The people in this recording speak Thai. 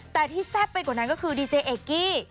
แต่ที่แซ่บไปกว่านั้นก็คือดีเจเอกกี้